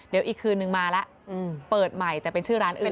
เดี๋ยวอีกคืนนึงมาแล้วเปิดใหม่แต่เป็นชื่อร้านอื่น